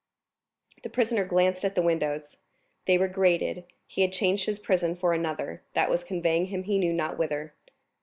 The prisoner glanced at the windows—they were grated; he had changed his prison for another that was conveying him he knew not whither.